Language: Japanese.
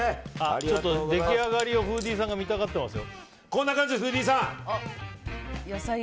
出来上がりをフーディーさんが見たがってます。